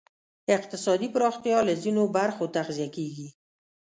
اقتصادي پراختیا له ځینو برخو تغذیه کېږی.